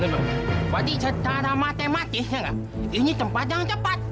berarti secara matematis ini tempat yang cepat